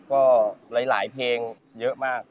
ก็หลายเพลงเยอะมาก